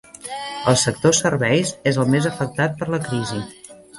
El sector serveis és el més afectat per la crisi.